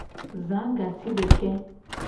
Za gasideke.